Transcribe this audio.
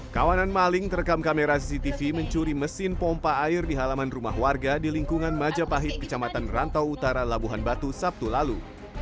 kawanan maling terekam kamera cctv mencuri mesin pompa air di halaman rumah warga di lingkungan majapahit kecamatan rantau utara labuhan batu sabtu lalu